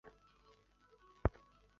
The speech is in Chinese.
中华人民共和国第四机械工业部。